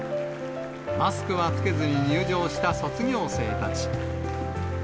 マスクは着けずに入場した卒業生たち。